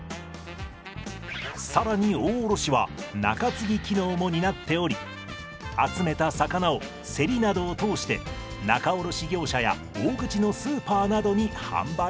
更に大卸は仲継機能も担っており集めた魚をセリなどを通して仲卸業者や大口のスーパーなどに販売します。